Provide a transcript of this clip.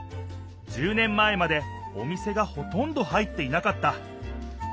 １０年前までお店がほとんど入っていなかった。